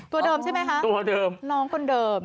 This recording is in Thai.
ตัวเดิมใช่ไหมคะตัวเดิมน้องคนเดิม